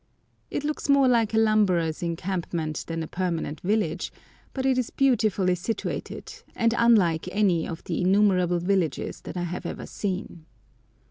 It looks more like a lumberer's encampment than a permanent village, but it is beautifully situated, and unlike any of the innumerable villages that I have ever seen.